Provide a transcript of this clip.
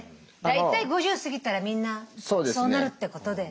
大体５０過ぎたらみんなそうなるってことで。